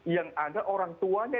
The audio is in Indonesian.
yang ada orang tuanya